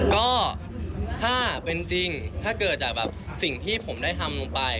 ก็ถ้าเป็นจริงถ้าเกิดจากสิ่งที่ผมได้ทำลงไป